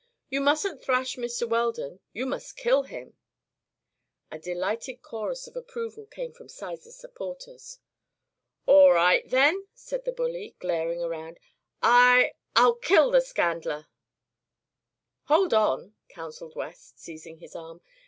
"You mustn't thrash Mr. Weldon; you must kill him." A delighted chorus of approval came from Sizer's supporters. "All right, then," said the bully, glaring around, "I I'll kill the scandler!" "Hold on!" counselled West, seizing his arm.